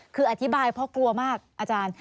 คืออธิบายเพราะกลัวมากอาจารย์